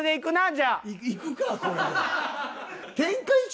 じゃあ。